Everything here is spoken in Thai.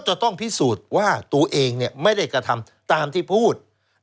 จะต้องพิสูจน์ว่าตัวเองไม่ได้กระทำตามที่พูด